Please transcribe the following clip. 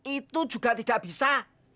itu juga tidak bisa